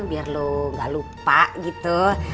biar lo gak lupa gitu